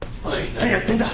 何やってんだ！